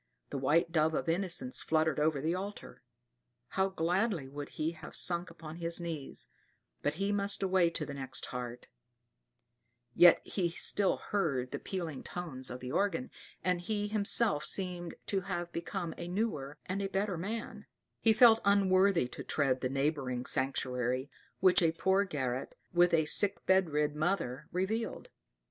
[*] The white dove of innocence fluttered over the altar. How gladly would he have sunk upon his knees; but he must away to the next heart; yet he still heard the pealing tones of the organ, and he himself seemed to have become a newer and a better man; he felt unworthy to tread the neighboring sanctuary which a poor garret, with a sick bed rid mother, revealed.